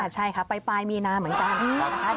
ใช่ค่ะปลายมีนาเหมือนกันนะคะ